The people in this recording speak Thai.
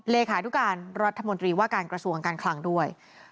เลขานุการรัฐมนตรีว่าการกระทรวงการคลังด้วย